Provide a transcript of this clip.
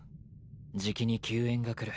じきに救援が来る。